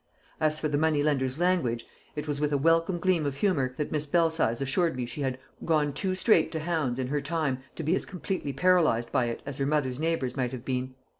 As for the moneylender's language, it was with a welcome gleam of humour that Miss Belsize assured me she had "gone too straight to hounds" in her time to be as completely paralysed by it as her mother's neighbours might have been.